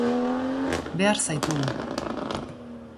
Behar zaitugu.